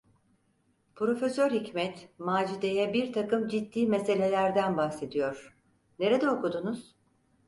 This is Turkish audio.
Profesör Hikmet, Macide’ye birtakım ciddi meselelerden bahsediyor: "Nerede okudunuz?"